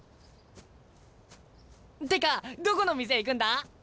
ってかどこの店行くんだ？